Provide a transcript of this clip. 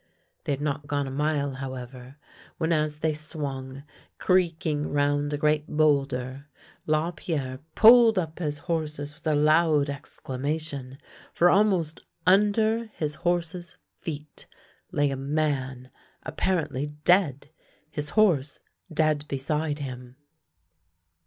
They had not gone a mile, however, when, as they swung creaking round a great boulder, Lapierre pulled up his horses with a loud exclamation, for almost under his horses' feet lay a man apparently dead, his horse dead beside him.